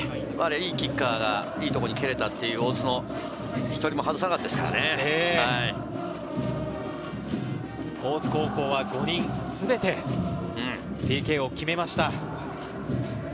いいキッカーがいい所に蹴れたという、大津のほう１人も外さなか大津高校は５人全てＰＫを決めました。